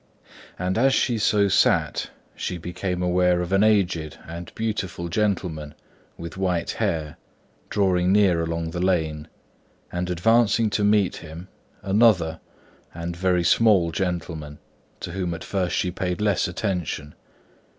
And as she so sat she became aware of an aged beautiful gentleman with white hair, drawing near along the lane; and advancing to meet him, another and very small gentleman, to whom at first she paid less attention.